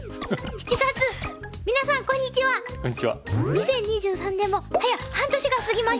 ２０２３年も早半年が過ぎました。